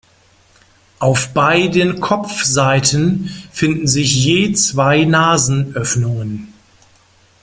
Auf beiden Kopfseiten finden sich je zwei Nasenöffnungen.